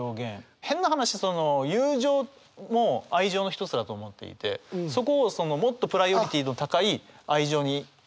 変な話友情も愛情の一つだと思っていてそこをもっとプライオリティーの高い愛情にさらわれたっていう